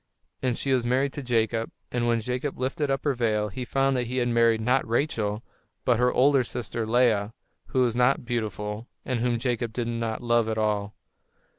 And she was married to Jacob, and when Jacob lifted up her veil he found that he had married, not Rachel, but her older sister, Leah, who was not beautiful, and whom Jacob did not love at all.